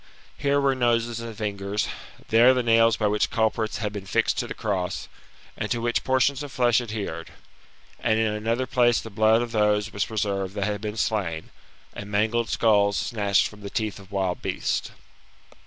Here were noses and fingers, there the nails by which culprits had been fixed to the cross, and to which portions of flesh adhered ; and in another place the blood of. those was preserved that had been slain, and mangled skulls snatched from the teeth of wild beasts.